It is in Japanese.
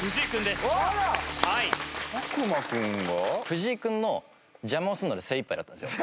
藤井君の邪魔をするので精いっぱいだったんですよ。